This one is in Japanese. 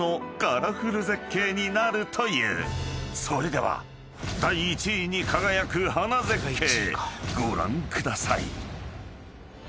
［それでは第１位に輝く花絶景ご覧ください］